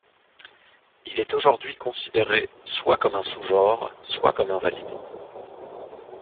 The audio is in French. Il.est aujourd'hui considéré soit comme un sous-genre, soit comme invalide.